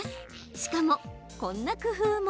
しかも、こんな工夫も。